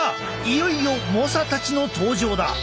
いよいよ猛者たちの登場だ！